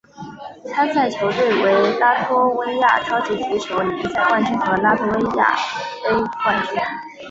参赛球队为拉脱维亚超级足球联赛冠军和拉脱维亚杯冠军。